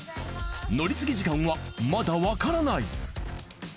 乗り継ぎ時間はまだわからない。